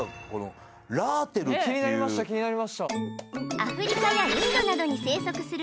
気になりました気になりました